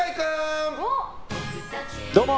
どうも！